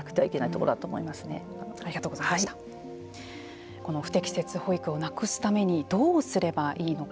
この不適切保育をなくすためにどうすればいいのか。